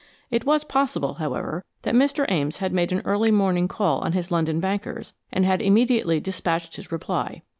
It was possible, however, that Mr. Ames had made an early morning call on his London bankers, and had immediately dispatched his reply.